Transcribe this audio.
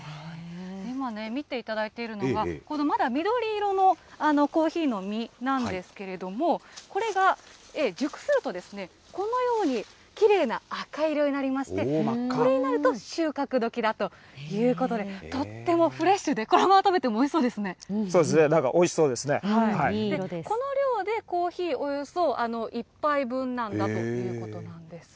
今ね、見ていただいているのが、このまだ緑色のコーヒーの実なんですけれども、これが熟するとですね、このようにきれいな赤色になりまして、これになると収穫どきだということで、とってもフレッシュで、こそうですね、なんかおいしそこの量でコーヒーおよそ１杯分なんだということなんです。